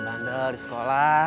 malah blush ko di sekolah